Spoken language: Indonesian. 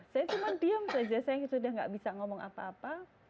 saya cuma diam saja saya sudah tidak bisa ngomong apa apa